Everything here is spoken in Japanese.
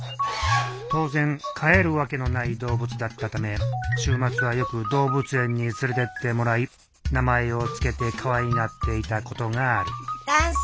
当然飼えるわけのない動物だったため週末はよく動物園に連れてってもらい名前を付けてかわいがっていたことがある暖酢。